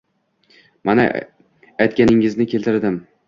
Mana, aytganingizni keltirdim